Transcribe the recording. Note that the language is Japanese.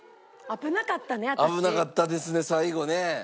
危なかったですね最後ね。